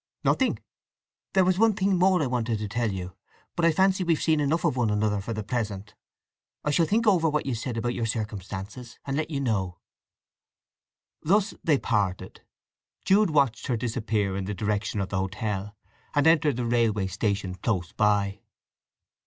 "Nothing. There was one thing more I wanted to tell you; but I fancy we've seen enough of one another for the present! I shall think over what you said about your circumstances, and let you know." Thus they parted. Jude watched her disappear in the direction of the hotel, and entered the railway station close by.